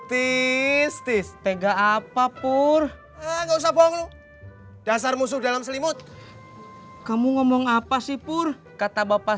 bij is dispega apa poer hangsa bolog dasar musuh dalam selimut kamu ngomong apa sih poor kata bapak